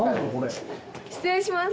失礼します。